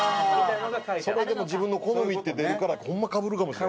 それでも自分の好みって出るからホンマかぶるかもしれんね。